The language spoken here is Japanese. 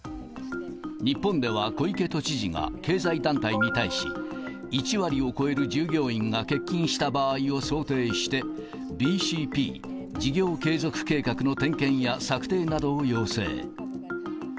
日本では、小池都知事が経済団体に対し、１割を超える従業員が欠勤した場合を想定して、ＢＣＰ・事業継続計画の点検や策定などを要請。